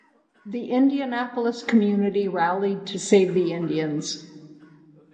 The Indianapolis community rallied to save the Indians.